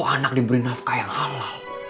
itu bisa diberi nafkah yang halal